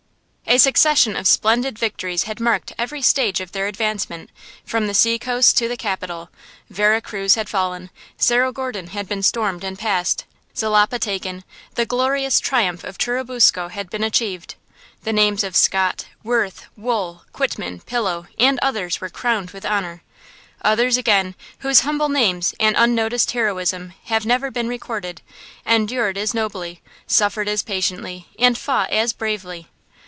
A succession of splendid victories had marked every stage of their advance, from the seacoast to the capital. Vera Cruz had fallen; Cerro Gordo had been stormed and passed: Xalapa taken; the glorious triumph of Churubusco had been achieved. The names of Scott, Worth, Wool, Quitman, Pillow and others were crowned with honor. Others again, whose humble names and unnoticed heroism have never been recorded, endured as nobly, suffered as patiently, and fought as bravely.